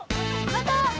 また！